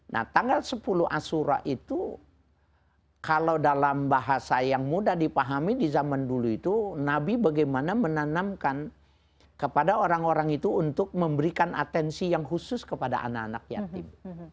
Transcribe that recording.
nah tanggal sepuluh ashura itu kalau dalam bahasa yang mudah dipahami di zaman dulu itu nabi bagaimana menanamkan kepada orang orang itu untuk memberikan atensi yang khusus kepada anak anak yatim